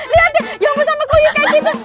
liat deh yang bersama gue kayak gitu